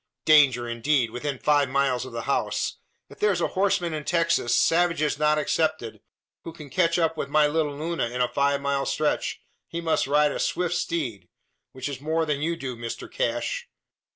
Danger, indeed, within five miles of the house! If there's a horseman in Texas savages not excepted who can catch up with my little Luna in a five mile stretch, he must ride a swift steed; which is more than you do, Mr Cash!"